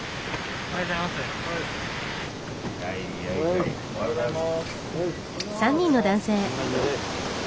おはようございます。